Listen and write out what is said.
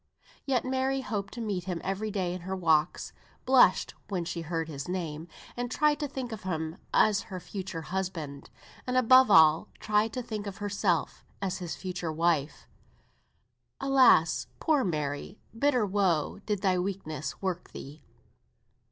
Yet Mary hoped to meet him every day in her walks, blushed when she heard his name, and tried to think of him as her future husband, and above all, tried to think of herself as his future wife. Alas! poor Mary! Bitter woe did thy weakness work thee.